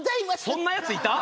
そんなやついた？